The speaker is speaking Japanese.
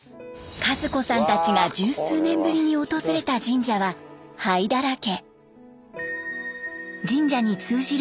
和子さんたちが十数年ぶりに訪れた神社は灰だらけ。